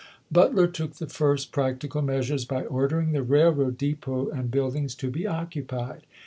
Butler took the first practical measures, by order ing the railroad depot and buildings to be occupied.